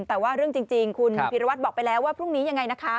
แต่ว่าเรื่องจริงคุณพิรวัตรบอกไปแล้วว่าพรุ่งนี้ยังไงนะคะ